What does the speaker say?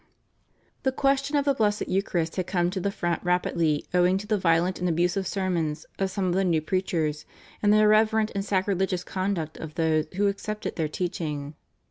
The question of the Blessed Eucharist had come to the front rapidly owing to the violent and abusive sermons of some of the new preachers, and the irreverent and sacrilegious conduct of those who accepted their teaching.